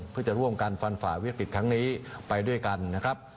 เพื่อจะร่วมกันฟันฝ่าวิกฤตครั้งนี้ไปด้วยกันนะครับ